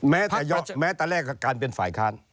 แม้แต่แรกกับการเป็นฝ่ายค้าน